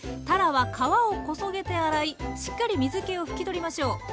たらは皮をこそげて洗いしっかり水けを拭き取りましょう。